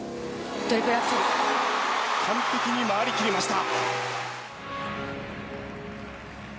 完璧に回りきりました。